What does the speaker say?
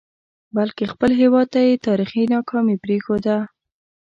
بلکې خپل هیواد ته یې تاریخي ناکامي پرېښوده.